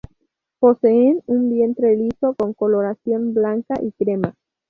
Poseen un vientre liso, con coloración blanca y crema.